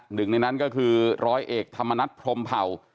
หนึ่งในนั้นก็คือร้อยเอกธรรมนัฐพรมเผ่า